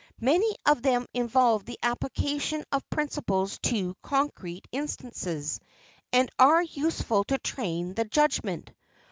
Many of them involve the application of principles to concrete instances, and are useful to train the judgment.